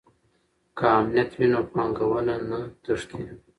که امنیت وي نو پانګونه نه تښتي.